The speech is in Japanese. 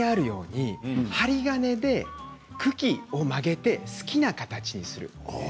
針金で茎を曲げて好きな形にするんです。